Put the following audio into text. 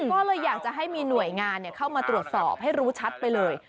ก็เลยอยากจะให้มีหน่วยงานเข้ามาตรวจสอบให้รู้ชัดไปเลย